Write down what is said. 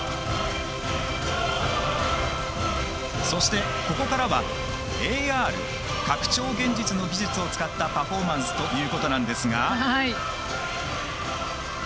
そして、ここからはＡＲ＝拡張現実の技術を使ったパフォーマンスということなんですが。